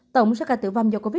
tổng số ca tử vong do covid một mươi